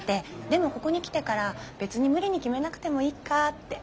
でもここに来てから別に無理に決めなくてもいいかって。